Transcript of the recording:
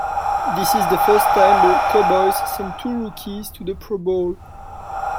This is the first time the Cowboys sent two rookies to the Pro Bowl.